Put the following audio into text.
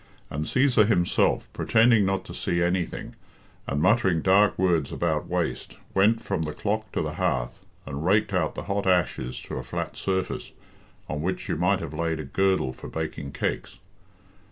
And Cæsar himself, pretending not to see anything, and muttering dark words about waste, went from the clock to the hearth, and raked out the hot ashes to a flat surface, on which you might have laid a girdle for baking cakes.